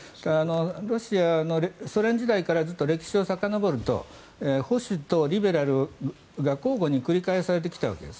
ロシアをソ連時代から歴史をずっとさかのぼると保守とリベラルが交互に繰り返されてきたわけです。